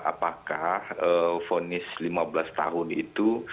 apakah vonis lima belas tahun itu